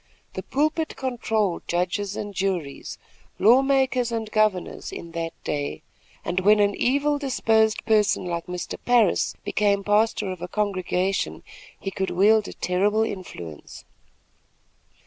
The pulpit controlled judges and juries, law makers and governors in that day, and when an evil disposed person like Mr. Parris became pastor of a congregation, he could wield a terrible influence.